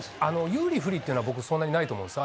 有利、不利っていうのは、僕、そんなにないと思うんです。